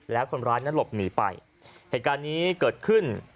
แล้วคนร้ายนั้นหลบหนีไปเหตุการณ์นี้เกิดขึ้น